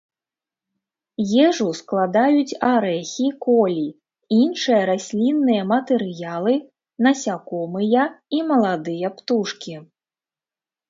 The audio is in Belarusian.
Ежу складаюць арэхі колі, іншыя раслінныя матэрыялы, насякомыя і маладыя птушкі.